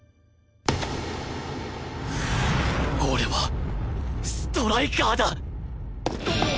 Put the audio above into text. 俺はストライカーだ！